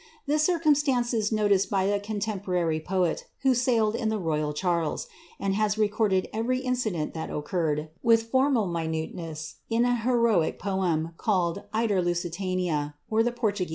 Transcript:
This circumstance is noticed by a conten porar\' poet, who sailed in the Royal Charles, and has recorded every incidfMit that occurred, with formal minuteness, in an heroic poeoif called ^^ Iter Lusitania; or the Portugal Voyage.